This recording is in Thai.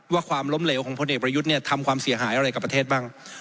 ความล้มเหลวของพลเอกประยุทธ์เนี่ยทำความเสียหายอะไรกับประเทศบ้าง